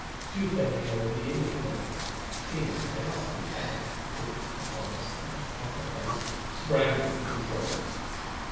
He was bending over the image mirror; Tina, ghastly pale, with utter horror stamped upon her face, sprang for the controls.